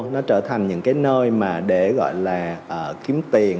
nó trở thành những cái nơi mà để gọi là kiếm tiền